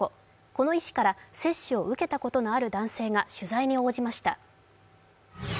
この医師から接種を受けたことのある男性が取材に応じました。